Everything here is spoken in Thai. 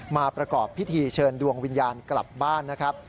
มาประกอบพิธีเชิญดวงวิญญาณกลับบ้านนะครับ